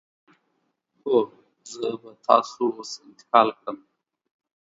هو، زه به تاسو اوس انتقال کړم.